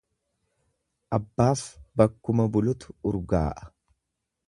Abbaaf bakkuma bulutu urgaa'a.